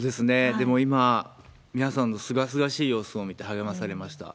でも、今、皆さんのすがすがしい様子を見て励まされました。